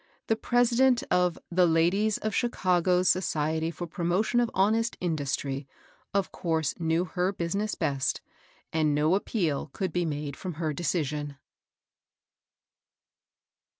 The THE LADY PRESIDENT. 863 president of " The Ladies of Chicago's Society for Promotion of Honest Industry " of course knew her business best, and no appeal could be made from her decision.